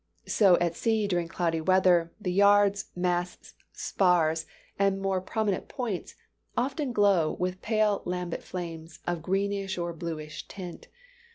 So at sea during cloudy weather, the yards, masts, spars and other more prominent points often glow with pale lambent flames, of greenish or bluish tint.